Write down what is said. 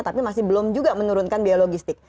tapi masih belum juga menurunkan biaya logistik